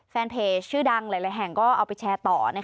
แฟนเพจชื่อดังหลายแห่งก็เอาไปแชร์ต่อ